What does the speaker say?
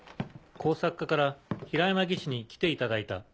工作課から平山技師に来ていただいた。